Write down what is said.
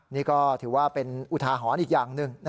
นี่ก็ถือว่าเป็นอุทาหรณ์อีกอย่างหนึ่ง